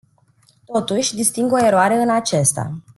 Totuși, disting o eroare în acesta.